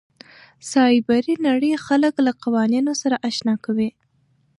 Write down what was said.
سایبري نړۍ خلک له قوانینو سره اشنا کوي.